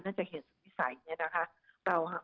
น่าจะเห็นพ้ายศักดีในภาค